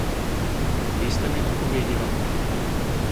Vy jste mi odpověděla.